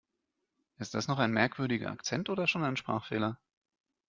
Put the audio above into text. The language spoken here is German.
Ist das noch ein merkwürdiger Akzent oder schon ein Sprachfehler?